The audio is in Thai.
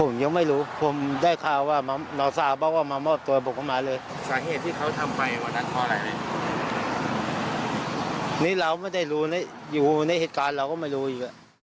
นี่เราไม่ได้รู้อยู่ในเหตุการณ์เราก็ไม่รู้อีก